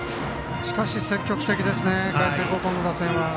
積極的ですね海星高校の打線は。